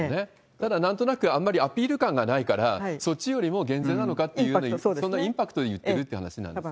ただ、なんとなくアピール感がないから、そっちよりも減税なのかっていう、そんなインパクトを言ってるって話なんですかね？